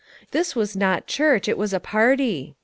This was not church, it was a party.